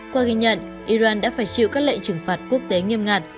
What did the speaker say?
qua ghi nhận iran đã phải chịu các lệnh trừng phạt quốc tế nghiêm ngặt